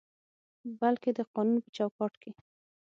بلکې د قانون په چوکاټ کې